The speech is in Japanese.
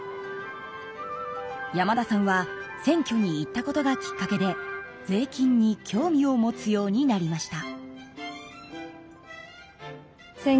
山田さんは選挙に行ったことがきっかけで税金に興味を持つようになりました。